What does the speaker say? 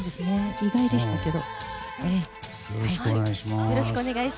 意外でしたけど。